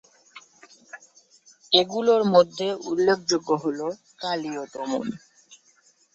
এগুলির মধ্যে উল্লেখযোগ্য হল "কালীয় দমন"।